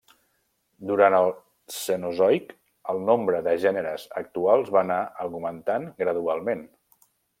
Durant el Cenozoic, el nombre de gèneres actuals va anar augmentant gradualment.